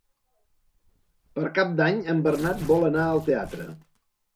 Per Cap d'Any en Bernat vol anar al teatre.